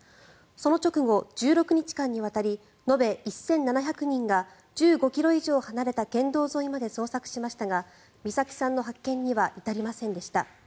その直後、１６日間にわたり延べ１７００人が１５ｋｍ以上離れた県道沿いまで捜索しましたが美咲さんの発見には至りませんでした。